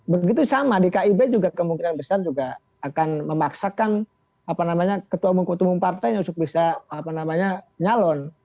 begitu sama di kib juga kemungkinan besar juga akan memaksakan ketua umum partai yang bisa nyalon